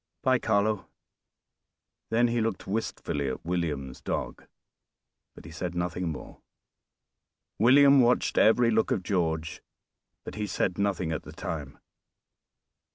By, Carlo." Then he looked wistfully at William's dog, but he said nothing more. William watched every look of George, but he said nothing at the time.